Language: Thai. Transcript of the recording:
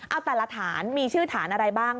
เอาแต่ละฐานมีชื่อฐานอะไรบ้าง